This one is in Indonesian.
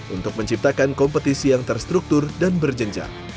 untuk menciptakan kompetisi yang terstruktur dan berjenjang